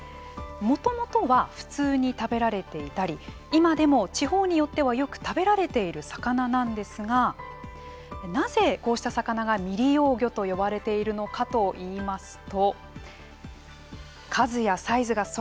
もともとは普通に食べられていたり今でも地方によってはよく食べられている魚なんですがなぜ、こうした魚が未利用魚と呼ばれているのかといいますと。